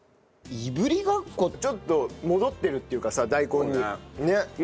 いぶりがっこちょっと戻ってるっていうかさダイコンにねっ。